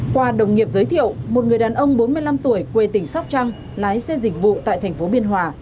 qua đồng nghiệp giới thiệu một người đàn ông bốn mươi năm tuổi quê tỉnh sóc trăng lái xe dịch vụ tại thành phố biên hòa